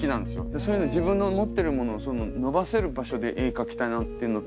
そういうの自分の持ってるものを伸ばせる場所で絵描きたいなっていうのもあるし。